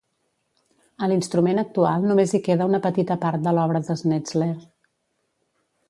A l'instrument actual només hi queda una petita part de l'obra de Snetzler.